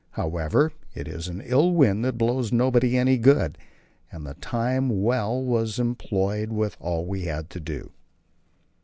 However, it is an ill wind that blows nobody any good, and the time was well employed with all we had to do.